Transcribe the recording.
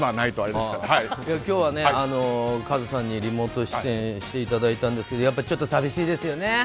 今日は和津さんにリモート出演していただいたんですけどやっぱりちょっと寂しいですよね。